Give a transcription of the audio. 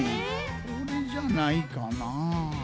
これじゃないかな。